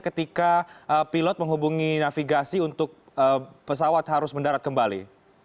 ketika pilot menghubungi navigasi untuk pesawat harus mendarat kembali